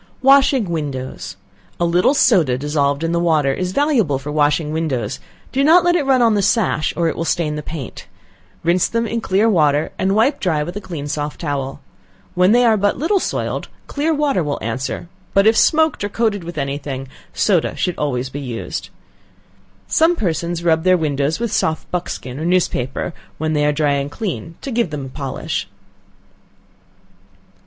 Washing Windows. A little soda dissolved in the water is valuable for washing windows; do not let it run on the sash, or it will stain the paint; rinse them in clear water, and wipe dry with a clean soft towel. When they are but little soiled, clear water will answer, but if smoked or coated with any thing, soda should be always used. Some persons rub their windows with soft buckskin or newspaper, when they are dry and clean, to give them a polish.